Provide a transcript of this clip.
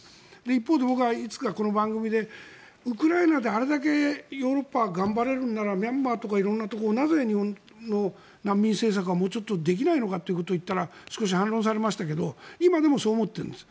一方で僕はいつかこの番組でウクライナであれだけヨーロッパは頑張れるんならミャンマーとか色んなところをなぜ、日本の難民政策はもうちょっとできないのかということを言ったら少し反論されましたけど今でもそう思ってるんです。